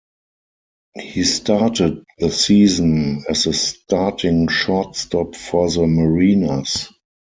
He started the season as the starting shortstop for the Mariners.